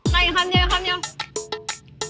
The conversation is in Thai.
ใส่อีกคำเดียว